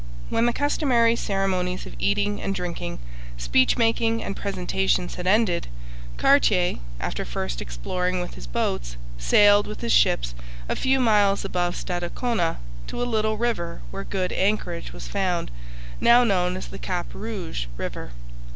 When the customary ceremonies of eating and drinking, speech making, and presentations had ended, Cartier, after first exploring with his boats, sailed with his ships a few miles above Stadacona to a little river where good anchorage was found, now known as the Cap Rouge river.